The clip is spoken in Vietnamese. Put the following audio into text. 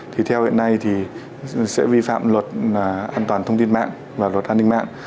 thì theo hiện nay thì sẽ vi phạm luật an toàn thông tin mạng và luật an ninh mạng